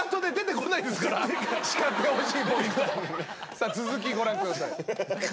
さあ続きご覧ください。